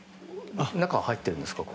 中は入っているんですか？